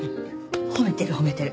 褒めてる褒めてる。